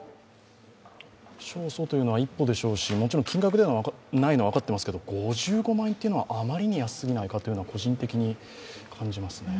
勝訴というのは一歩でしょうしもちろん金額ではないのは分かっていますけど５５万円というのは、あまりに安すぎないかというのは個人的に感じますね。